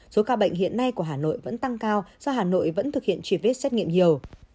số ca bệnh hiện nay của hà nội vẫn tăng cao do hà nội vẫn thực hiện truy vết xét nghiệm nhiều